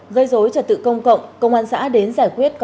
gây dối trật tự công cộng công an xã đến giải quyết